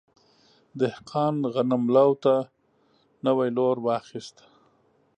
دهقان غنم لو ته نوی لور واخیست.